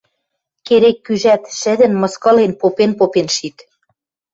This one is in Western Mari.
Керек-кӱжӓт шӹдӹн, мыскылен, попен-попен шит.